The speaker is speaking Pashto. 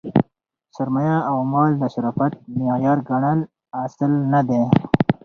سرمایه او مال د شرافت معیار ګڼل اصل نه دئ.